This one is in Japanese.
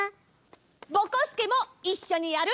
ぼこすけもいっしょにやる？